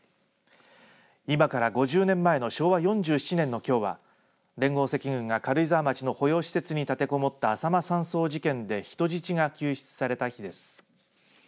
今から５０年前の昭和４７年のきょうは連合赤軍が軽井沢町の保養施設に立てこもったあさま山荘事件で人質が救出された日です。